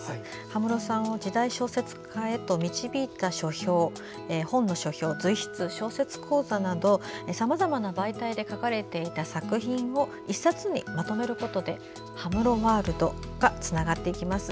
葉室さんを時代小説家へと導いた本の書評や随筆、小説講座などさまざまな媒体で書かれていた作品を１冊にまとめることで葉室ワールドがつながります。